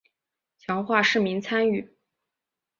强化市民参与